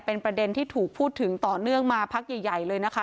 เป็นประเด็นที่ถูกพูดถึงต่อเนื่องมาพักใหญ่เลยนะคะ